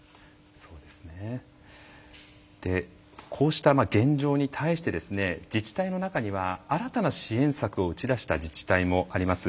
でこうした現状に対して自治体の中には新たな支援策を打ち出した自治体もあります。